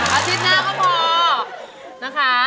อาทิตย์หน้าก็พอ